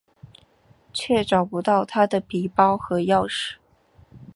却找不到她的皮包和钥匙。